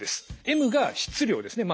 ｍが質量ですね。